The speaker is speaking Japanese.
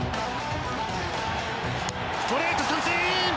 ストレート、三振！